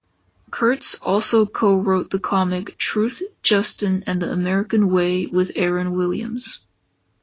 Kurtz also co-wrote the comic "Truth, Justin and the American way" with Aaron Williams.